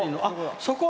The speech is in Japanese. そこ？